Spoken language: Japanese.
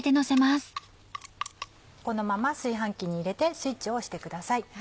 このまま炊飯器に入れてスイッチを押してください。